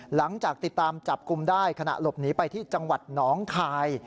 หลังจากติดตามจับกลุ่มได้ขณะหลบหนีไปที่จังหวัดหนองคาย